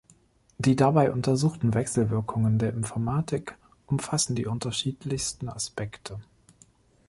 Die dabei untersuchten Wechselwirkungen der Informatik umfassen die unterschiedlichsten Aspekte.